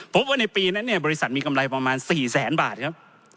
พบว่าในปีนั้นเนี่ยบริษัทมีกำไรประมาณ๔แสนบาทครับ